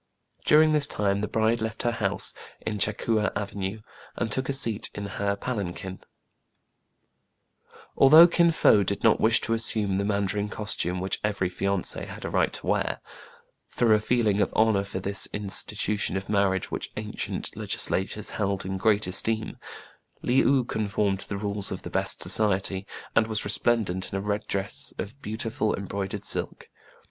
During this time the bride left her house in Cha Coua Avenue, and took a seat in her palan quin. 172 TRIBULATIONS OF A CHINAMAN, Although Kin Fo did not wish to assume the mandarin costume, which ew^ry fiancé has a right to wear, — through a feeling of honor for this in stitution of marriage which ancient legislators held in great esteem, — Le ou conformed to the rules of the best society, and was resplendent in a red dress of beautiful embroidered silk.